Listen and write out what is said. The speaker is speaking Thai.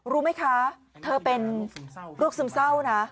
รู้ไหมคะเธอเป็นโรคซึมเศร้านะ